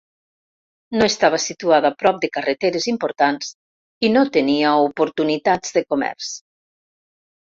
No estava situada prop de carreteres importants i no tenia oportunitats de comerç.